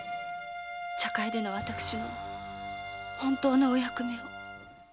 茶会での私の本当のお役目を。